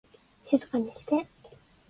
静かにして